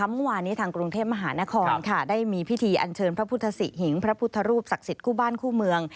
เมื่อวานนี้ทางกรุงเทพมหานครได้มีพิธีอันเชิญพระพุทธศิหิงพระพุทธรูปศักดิ์สิทธิ์คู่บ้านคู่เมือง